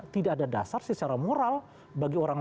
tidak ada dasar secara moral bagi orang